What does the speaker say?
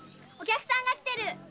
お客さんが来てる！